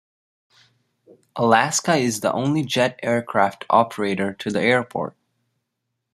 Alaska is the only jet aircraft operator to the airport.